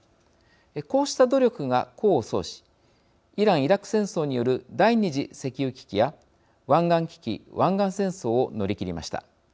こうした努力が功を奏しイラン・イラク戦争による第２次石油危機や湾岸危機湾岸戦争を乗り切りました。